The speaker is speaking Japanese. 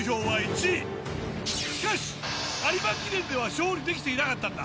しかし有馬記念では勝利できていなかったんだ。